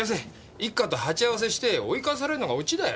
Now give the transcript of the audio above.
一課と鉢合わせして追い返されるのがオチだよ。